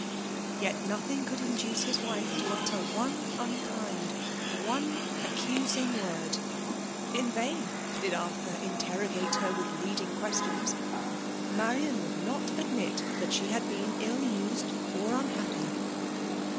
• Yet nothing could induce his wife to utter one unkind — one accusing word ! In vain did Arthur interrogate her with leading ques* tions ; Marian would not admit that she had been ill used or unhappy.